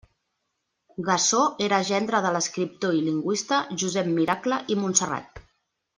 Gassó era gendre de l'escriptor i lingüista Josep Miracle i Montserrat.